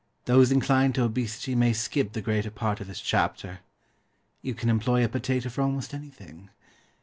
Those inclined to obesity may skip the greater part of this chapter. You can employ a potato for almost anything.